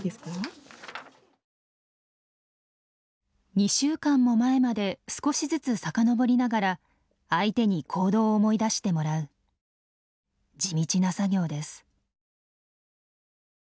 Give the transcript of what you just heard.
２週間も前まで少しずつ遡りながら相手に行動を思い出してもらう地道な作業です。